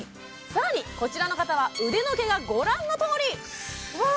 更にこちらの方は腕の毛がご覧のとおりうわ！